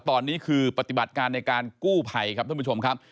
ตอนนี้คือปฏิบัติการในการกู้ภัยครับท่านผู้ชมครับ